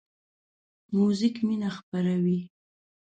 موزیک مینه خپروي.